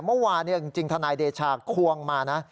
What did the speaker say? เมื่อวานจริงทนายเดชาควงมานะ